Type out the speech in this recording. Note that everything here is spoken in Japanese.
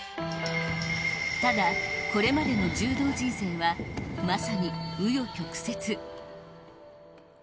ただ、これまでの柔道人生はまさに紆余曲折。